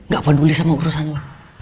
gak peduli sama urusan lo